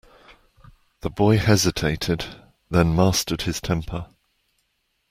The boy hesitated, then mastered his temper.